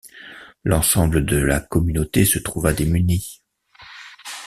L'ensemble de la communauté se trouva démunie.